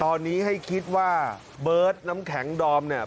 ตอนนี้ให้คิดว่าเบิร์ตน้ำแข็งดอมเนี่ย